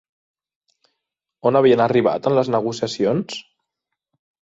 On havien arribat en les negociacions?